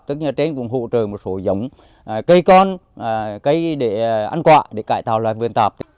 tức là trên cũng hỗ trợ một số giống cây con cây để ăn quả để cải tạo loài vườn tạp